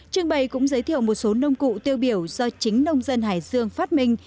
trưng bày cũng giới thiệu một số nông cụ tiêu biểu do chính nông dân hải dương phát minh